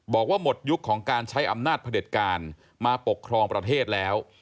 บอกว่าหมดยุคของการใช้อำนาจพระเด็จการมาปกครองประเทศแล้ว